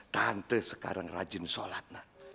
tante sekarang rajin sholat